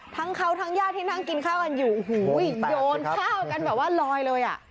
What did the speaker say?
ทั้งเขาทั้งญาติที่นั่งกินข้าวกันอยู่โอ้โหโยนข้าวกันแบบว่าลอยเลยอ่ะ